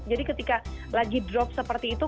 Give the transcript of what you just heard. jadi ketika lagi drop seperti itu